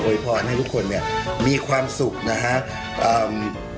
ขออวยพรให้ทุกคนมีความสุขนะครับ